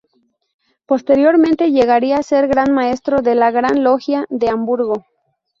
Posteriormente llegaría a ser Gran Maestro de la Gran Logia de Hamburgo.